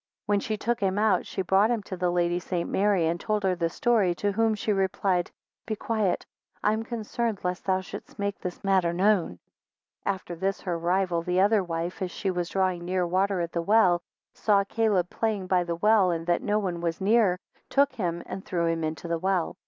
8 When she took him out, she brought him to the Lady St. Mary, and told her the story, to whom she replied, Be quiet, I am concerned lest thou shouldest make this matter known. 9 After this her rival, the other wife, as she was drawing water at the well, and saw Caleb playing by the well, and that no one was near, took him, and threw him into the well.